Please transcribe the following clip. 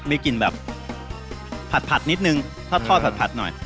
มีกลิ่นแบบผัดผัดนิดหนึ่งถ้าทอดผัดผัดหน่อย